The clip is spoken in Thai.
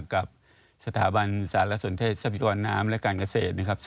กับสถาบันสารสนเทศทรัพยากรน้ำและการเกษตรนะครับ